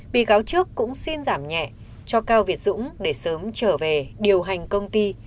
bị cáo trước cũng xin giảm nhẹ cho cao việt dũng để sớm trở về điều hành công ty